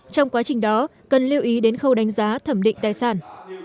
trong quá trình đó cần lưu ý đến khâu đánh giá thẩm định tài sản